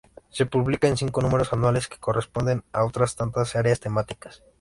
Se publica en cinco números anuales que corresponden a otras tantas áreas temáticas.